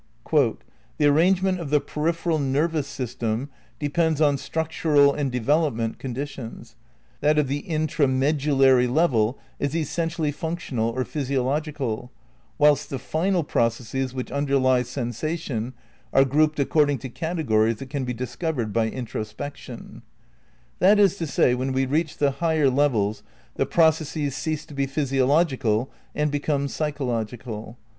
"The arrangement of the peripheral nervous system de pends on structural and development conditions; that of the intramedullary level is essentially functional or physiologi cal, whilst the final processes which underlie sensation are grouped according to categories that can be discovered by introspection. '' Dr. Head {Sensation and the Cerebral Cortex) : "That is to say, when we reach the higher levels the pro cesses cease to be physiological and become psychological.